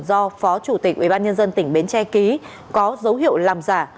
do phó chủ tịch ubnd tỉnh bến tre ký có dấu hiệu làm giả